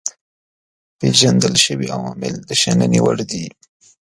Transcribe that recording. پيژندل شوي عوامل د شنني وړ دي.